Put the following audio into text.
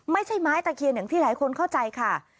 ไม่ใช่ไม้ตะเคียนอย่างที่หลายคนเข้าใจค่ะ